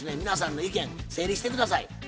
皆さんの意見整理して下さい。